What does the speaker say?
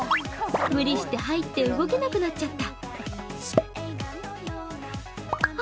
無理して入って動けなくなっちゃった。